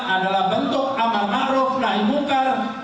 adalah bentuk aman makruh naib munkar